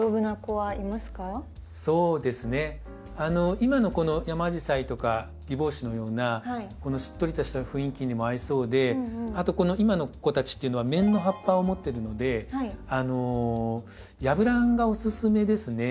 今のこのヤマアジサイとかギボウシのようなこのしっとりとした雰囲気にも合いそうであとこの今の子たちっていうのは面の葉っぱを持ってるのでヤブランがおすすめですね。